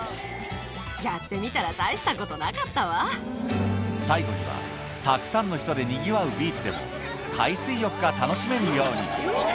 やってみたら、最後には、たくさんの人でにぎわうビーチでも、海水浴が楽しめるように。